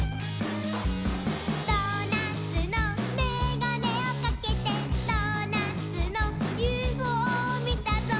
「ドーナツのメガネをかけてドーナツのＵＦＯみたぞ」